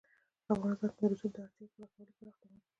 په افغانستان کې د رسوب د اړتیاوو پوره کولو لپاره اقدامات کېږي.